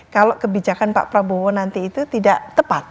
kalau kebijakan pak prabowo nanti itu tidak tepat